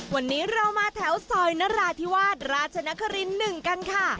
วันนี้เรามาแถวซอยนราธิวาสราชนคริน๑กันค่ะ